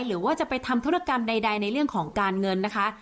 หรือว่าจะไปทำธุรกรรมใดในเรื่องของการเงินนะคะ